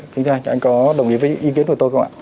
kỳ tây anh có đồng ý với ý kiến của tôi không ạ